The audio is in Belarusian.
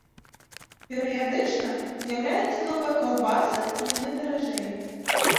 Перыядычна з'яўляюцца новыя каўбасы, яны даражэй.